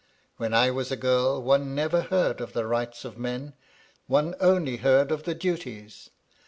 When I was a giri, one never heard of the rights of men, one only heard of the duties.